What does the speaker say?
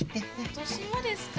今年もですか。